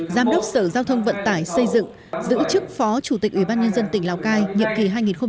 giám đốc sở giao thông vận tải xây dựng giữ chức phó chủ tịch ubnd tỉnh lào cai nhiệm kỳ hai nghìn một mươi sáu hai nghìn hai mươi một